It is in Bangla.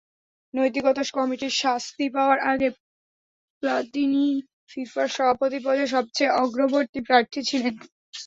নৈতিকতা কমিটির শাস্তি পাওয়ার আগে প্লাতিনিই ফিফার সভাপতি পদে সবচেয়ে অগ্রবর্তী প্রার্থী ছিলেন।